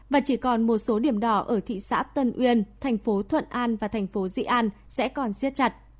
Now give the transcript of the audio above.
và chỉ còn một số điểm đỏ ở thị xã tân uyên thành phố thuận an và thành phố dị an sẽ còn siết chặt